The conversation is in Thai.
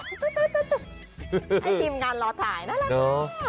ให้ทีมงานรอถ่ายน่ารัก